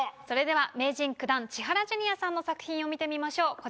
それでは名人９段千原ジュニアさんの作品を見てみましょう。